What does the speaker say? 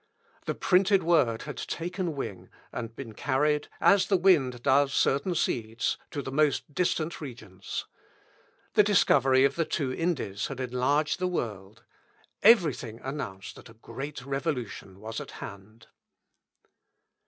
The printed Word had taken wing, and been carried, as the wind does certain seeds, to the most distant regions. The discovery of the two Indies had enlarged the world.... Every thing announced that a great revolution was at hand.